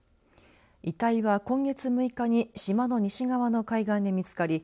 遺体は今月６日に島の西側の海岸で見つかり